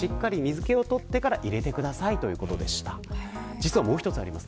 実はもう一つあります。